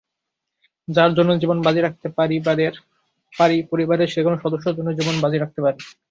যার জন্য জীবন বাজি রাখতে পারিপরিবারের যেকোনো সদস্যের জন্য জীবন বাজি রাখতে পারি।